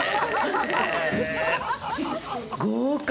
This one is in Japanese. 豪快。